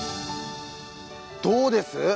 どうです？